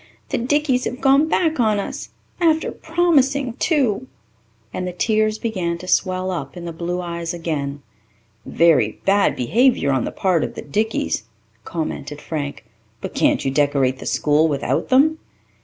The Dickeys have gone back on us ... after promising, too," and the tears began to swell up in the blue eyes again. "Very bad behaviour on the part of the Dickeys," commented Frank. "But can't you decorate the school without them?"